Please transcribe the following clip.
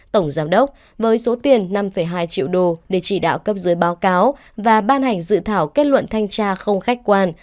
tổng giám đốc với số tiền năm hai triệu đô để chỉ đạo cấp dưới báo cáo và ban hành dự thảo kết luận thanh tra không khách quan